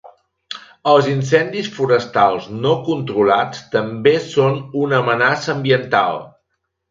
Els incendis forestals no controlats també són una amenaça ambiental.